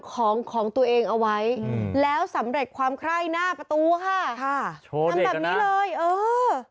ของของตัวเองเอาไว้แล้วสำเร็จความไคร่หน้าประตูค่ะค่ะโชว์เด็กหน้านั่นแบบนี้เลย